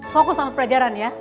fokus sama pelajaran ya